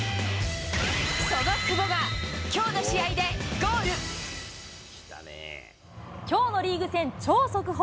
その久保が、きょうの試合でゴーきょうのリーグ戦、超速報。